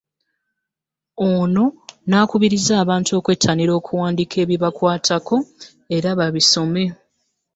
Ono n'akubiriza abantu okwettanira okuwandiika ebibakwatako era babisome.